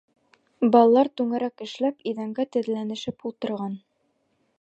Балалар түңәрәк эшләп иҙәнгә теҙләнешеп ултырған.